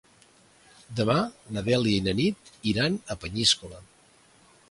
Demà na Dèlia i na Nit iran a Peníscola.